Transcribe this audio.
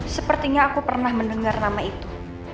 sepertinya aku pernah mendengar nama itu